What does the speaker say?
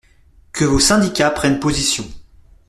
que vos syndicats prennent position